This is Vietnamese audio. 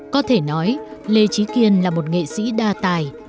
có thể nói lê trí kiên là một nghệ sĩ đa tài